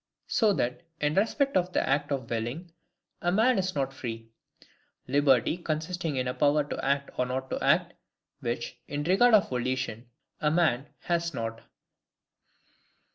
So that, in respect of the act of willing, a man is not free: liberty consisting in a power to act or not to act; which, in regard of volition, a man, has not.